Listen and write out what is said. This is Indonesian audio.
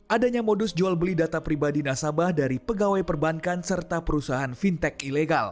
adanya modus jual beli data pribadi nasabah dari pegawai perbankan serta perusahaan fintech ilegal